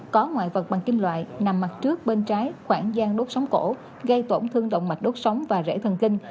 có ngoại vật bằng kim loại nằm mặt trước bên trái khoảng gian đốt sống cổ gây tổn thương đỏng mạch đốt sống và rỡ thần kinh